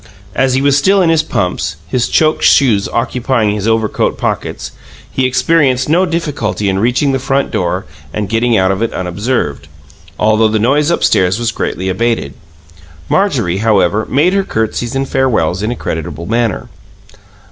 As he was still in his pumps, his choked shoes occupying his overcoat pockets, he experienced no difficulty in reaching the front door, and getting out of it unobserved, although the noise upstairs was greatly abated. Marjorie, however, made her curtseys and farewells in a creditable manner.